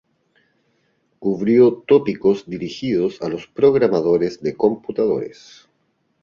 Cubrió tópicos dirigidos a los programadores de computadores.